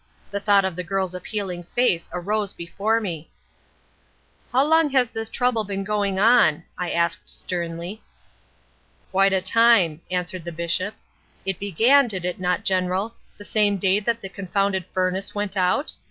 The thought of the girl's appealing face arose before me. "'How long has this trouble been going on?' I asked sternly. "'Quite a time,' answered the Bishop. 'It began, did it not, General, the same day that the confounded furnace went out?